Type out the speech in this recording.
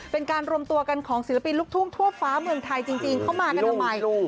เป็นการรวมตัวกันของศิลปินลูกทุ่งทั่วฟ้าเมืองไทยจริงเข้ามากันทำไม